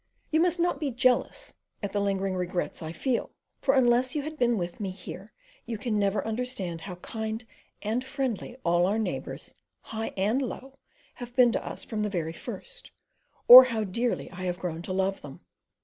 You must not be jealous at the lingering regrets I feel, for unless you had been with me here you can never understand how kind and friendly all our neighbours, high and low, have been to us from the very first, or how dearly I have grown to love them.